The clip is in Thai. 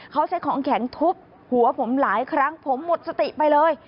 เขาใช้ของแข็งทุบหัวผมหลายครั้งผมหมดสติไปเลย